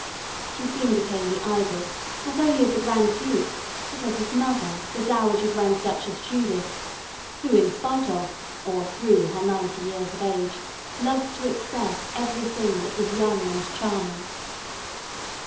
She soon became the idol, not only of the Grand Duke, but of his mother, the Dowager Grand Duchess Judith, who, in spite of, or through, her ninety years of age, loved to excess every thing that was young and charming.